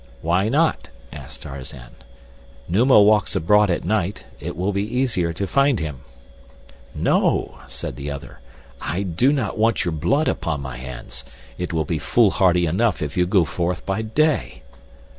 "Why not?" asked Tarzan. "Numa walks abroad at night—it will be easier to find him." "No," said the other, "I do not want your blood upon my hands. It will be foolhardy enough if you go forth by day."